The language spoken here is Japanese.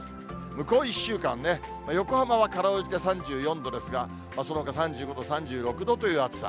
向こう１週間ね、横浜はかろうじて３４度ですが、そのほか３５度、３６度という暑さ。